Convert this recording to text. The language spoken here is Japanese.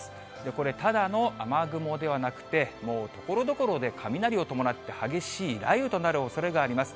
これ、ただの雨雲ではなくて、もうところどころで雷を伴って激しい雷雨となるおそれがあります。